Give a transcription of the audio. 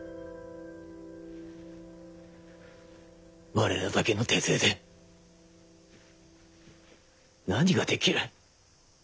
我らだけの手勢で何ができる。